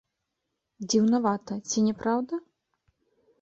Дзіўнавата, ці не праўда?